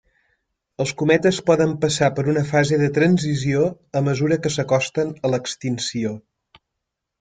Els cometes poden passar per una fase de transició a mesura que s'acosten a l'extinció.